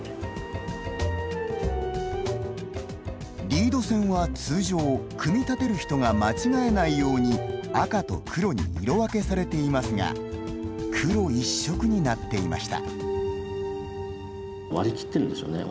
リード線は通常組み立てる人が間違えないように赤と黒に色分けされていますが黒一色になっていました。